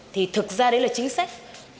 thì thực ra đấy là chính sách